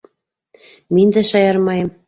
Мин дә шаярмайым.